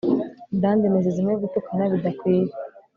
Blandness zimwe gutukana bidakwiye